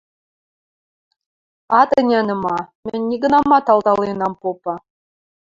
— Ат ӹнянӹ ма: мӹнь нигынамат алтален ам попы.